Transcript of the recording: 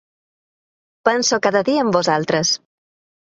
Penso cada dia en vosaltres.